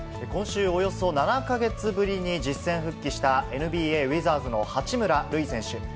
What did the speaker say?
今週、およそ７か月ぶりに実戦復帰した、ＮＢＡ・ウィザーズの八村塁選手。